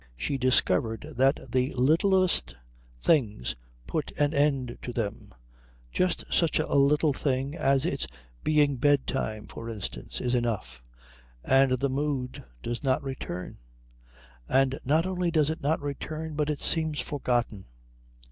She discovered that the littlest thing puts an end to them, just such a little thing as its being bedtime, for instance, is enough, and the mood does not return, and not only does it not return but it seems forgotten.